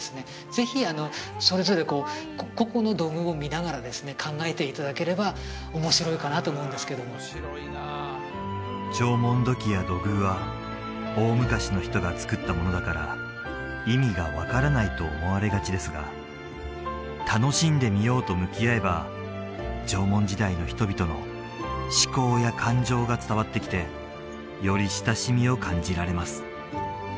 ぜひそれぞれこう個々の土偶を見ながらですね考えていただければ面白いかなと思うんですけども縄文土器や土偶は大昔の人が作ったものだから意味が分からないと思われがちですが楽しんでみようと向き合えば縄文時代の人々の思考や感情が伝わってきてより親しみを感じられます